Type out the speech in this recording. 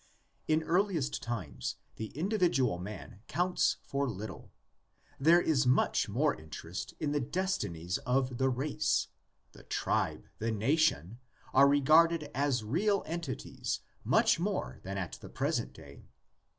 In earliest times the individual man counts for little. There is much more interest in the destinies of the race: the tribe, the nation, are regarded as real entities much more than at the present day.